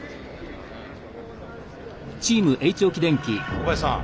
小林さん